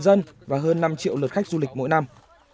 dân và hơn năm triệu lượt khách du lịch mỗi năm